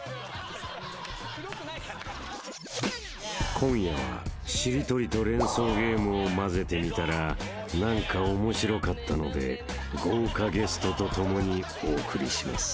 ［今夜はしりとりと連想ゲームを混ぜてみたら何かオモシロかったので豪華ゲストと共にお送りします］